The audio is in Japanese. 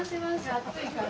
暑いから。